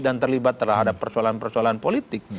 dan terlibat terhadap persoalan persoalan politik